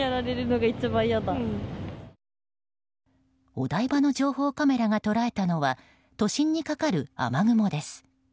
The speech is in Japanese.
お台場の情報カメラが捉えたのは都心にかかる雨雲です。